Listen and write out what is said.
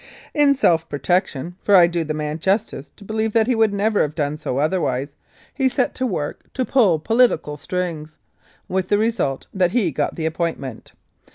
In self protection, for 12 1883 84. Regina I do the man the justice to believe that he would never have done so otherwise, he set to work to pull political strings, with the result that he got the appointment.